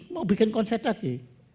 mau bikin konser lagi